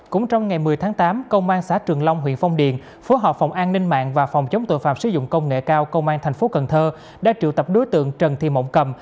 cũng trong ngày một mươi tháng tám công an xã trường long huyện phong điền phó hợp phòng an ninh mạng và phòng chống tội phạm sử dụng công nghệ cao công an tp hcm đã triệu tập đối tượng trần thị mộng cầm